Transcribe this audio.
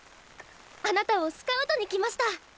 あなたをスカウトに来ました！